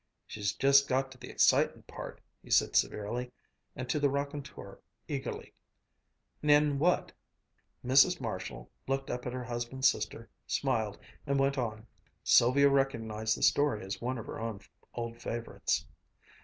"She's just got to the excitin' part," he said severely, and to the raconteur eagerly, "'N'en what?" Mrs. Marshall looked up at her husband's sister, smiled, and went on, Sylvia recognized the story as one of her own old favorites.